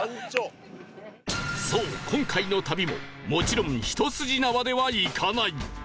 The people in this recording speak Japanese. そう今回の旅ももちろん一筋縄ではいかない！